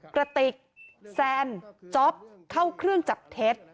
กระติกแซนจ๊อปเข้าเครื่องจับเท็จ